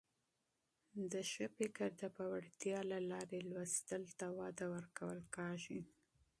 د مثبت فکر د پیاوړتیا له لارې مطالعې ته وده ورکول کیږي.